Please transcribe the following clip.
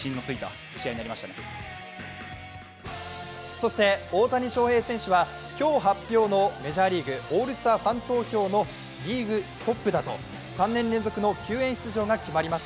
そして大谷翔平選手は今日発表のメジャーリーグ、オールスターファン投票のリーグトップだと、３年連続の球宴出場が決まります。